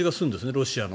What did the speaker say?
ロシアの。